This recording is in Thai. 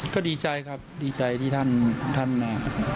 ก็ดีใจครับดีใจที่ท่านท่านอ่ะ